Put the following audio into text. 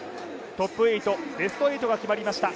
トップ８、ベスト８が決まりました。